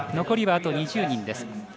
残りはあと２０人です。